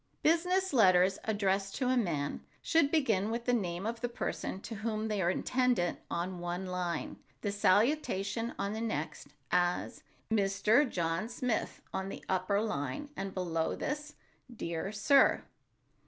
Business letters addressed to a man should begin with the name of the person to whom they are intended on one line, the salutation on the next, as: "Mr. John Smith" on the upper line, and below this, "Dear Sir."